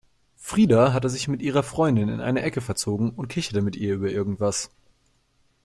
Frida hatte sich mit ihrer Freundin in eine Ecke verzogen und kicherte mit ihr über irgendwas.